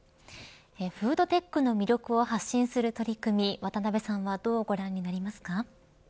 フードテックの魅力を発信する取り組み渡辺さんはどうご覧になりますか。